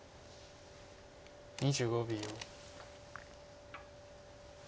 ２５秒。